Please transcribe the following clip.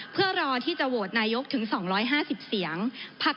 เพื่อรอที่จะโหวตนายกถึงสองร้อยห้าสิบเสียงพัก